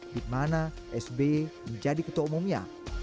di mana sby menjadi ketua umumnya